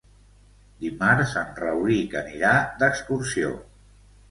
Dimarts en Rauric anirà d'excursió.